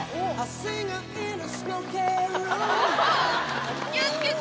おぉ気を付けて！